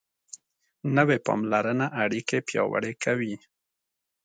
نوې پاملرنه اړیکې پیاوړې کوي